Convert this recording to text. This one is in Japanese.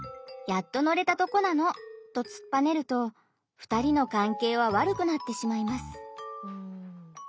やっと乗れたとこなの！」とつっぱねると２人の関係は悪くなってしまいます。